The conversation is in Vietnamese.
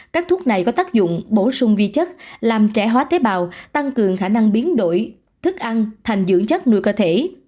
các thuốc này có tác dụng bổ sung vi chất làm trẻ hóa tế bào tăng cường khả năng biến đổi thức ăn thành dưỡng chất nuôi cơ thể